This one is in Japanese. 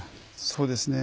そうですね。